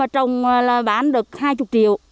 trồng bán được hai mươi triệu